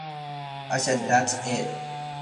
I said, 'That's it.